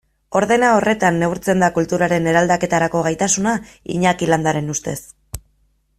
Ordena horretan neurtzen da kulturaren eraldaketarako gaitasuna Iñaki Landaren ustez.